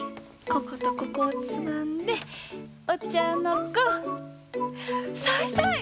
こことここをつまんでお茶の子さいさい！